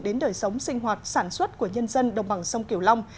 đến đời sống sinh hoạt sản xuất của nhân dân đồng bằng sông kiều long